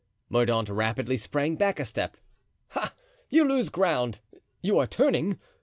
Mordaunt rapidly sprang back a step. "Ah! you lose ground, you are turning?